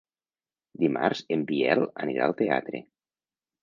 Dimarts en Biel anirà al teatre.